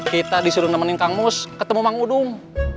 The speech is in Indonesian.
kita disuruh nemenin kang mus ketemu mang udum